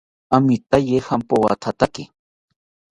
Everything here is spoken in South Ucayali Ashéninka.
Amitaye jampoatake